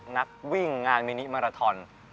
นักวิ่งงานมินิมาราทอน